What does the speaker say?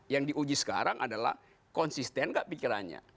yang diuji sekarang adalah konsisten gak pikirannya